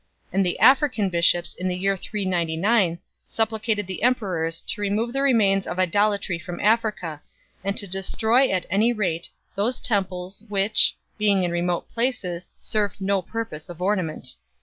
And the African bishops in the year 399 2 supplicated the emperors to remove the remains of idolatry from Africa, and to destroy at any rate those temples which, being in remote places, served no purpose of ornament.